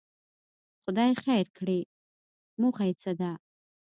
خدای خیر کړي، موخه یې څه ده.